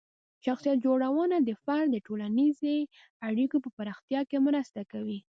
شخصیت جوړونه د فرد د ټولنیزې اړیکو په پراختیا کې مرسته کوي.